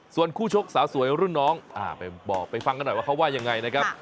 ส่วนคู่ชกสาวสวยรุ่นน้องไปบอกไปฟังกันหน่อยว่าเขาว่ายังไงนะครับ